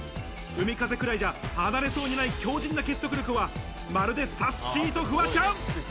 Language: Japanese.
海風くらいじゃ離れそうにない強靱な結束力は、まるでさっしーとフワちゃん。